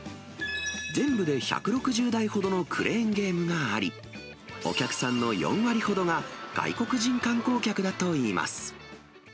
全部で１６０台ほどのクレーンゲームがあり、お客さんの４割ほどが外国人観光客だといいます。